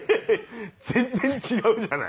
全然違うじゃない。